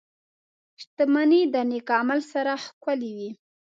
• شتمني د نېک عمل سره ښکلې وي.